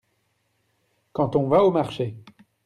Quand on va au marché.